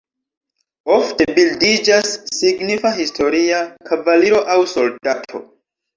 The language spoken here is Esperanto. Ofte bildiĝas signifa historia kavaliro aŭ soldato.